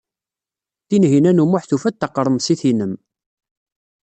Tinhinan u Muḥ tufa-d taqremsit-nnem.